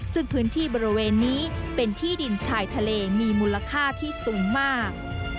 ซึ่งพื้นที่บริเวณนี้เป็นที่ดินชายทะเลมีมูลค่าที่สูงมาก